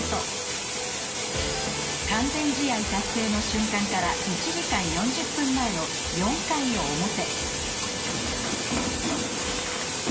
完全試合達成の瞬間から１時間４０分前の４回表